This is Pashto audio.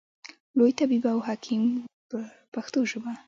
لوی طبیب او حکیم و په پښتو ژبه.